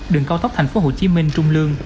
đường cao tốc thành phố hồ chí minh trung lương